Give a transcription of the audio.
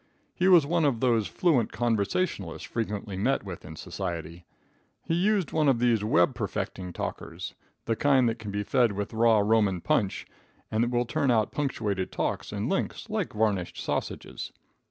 He was one of those fluent conversationalists frequently met with in society. He used one of these web perfecting talkers the kind that can be fed with raw Roman punch, and that will turn out punctuated talk in links, like varnished sausages.